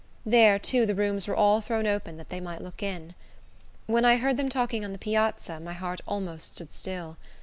There, too, the rooms were all thrown open that they might look in. When I heard them talking on the piazza, my heart almost stood still.